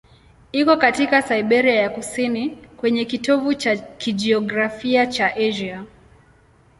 Iko katika Siberia ya kusini, kwenye kitovu cha kijiografia cha Asia.